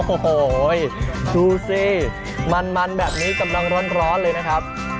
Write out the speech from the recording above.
โอ้โหดูสิมันแบบนี้กำลังร้อนเลยนะครับ